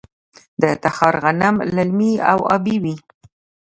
د تخار غنم للمي او ابي وي.